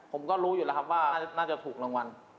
ผมก็รู้อยู่แล้วครับว่าน่าจะถูกรางวัล